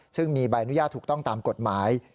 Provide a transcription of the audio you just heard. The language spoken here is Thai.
ซึ่งมีใบอนุญาตถูกต้องตามกฎหมาย